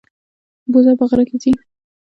بوزه په غره کې ځي.